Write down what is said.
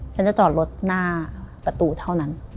ฉันจะจอดรถหน้าประตูเท่านั้น